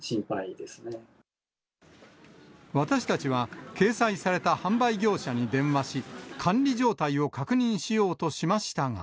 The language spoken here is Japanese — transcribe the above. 私たちは、掲載された販売業者に電話し、管理状態を確認しようとしましたが。